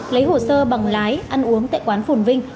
lấy hồ sơ bằng lái ăn uống tại quán phồn vinh